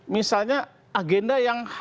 misalnya agenda yang